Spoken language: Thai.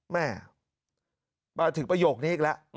แม่มาถึงประโยคนี้อีกแล้ว